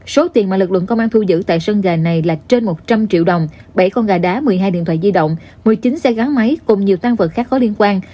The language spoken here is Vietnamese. số tiền mà lực lượng công an thu giữ tại sân gà này là trên một trăm linh triệu đồng bảy con gà đá một mươi hai điện thoại di động một mươi chín xe gắn máy cùng nhiều tăng vật khác có liên quan